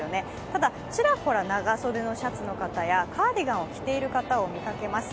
ただ、ちらほら長袖のシャツの方やカーディガンを着ている方を見かけます。